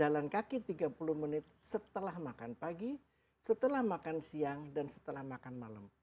jalan kaki tiga puluh menit setelah makan pagi setelah makan siang dan setelah makan malam